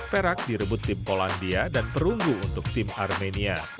perak direbut tim polandia dan perunggu untuk tim armenia